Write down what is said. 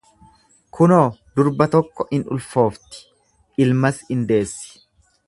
Kunoo, durba tokko in ulfoofti, ilmas in deessi.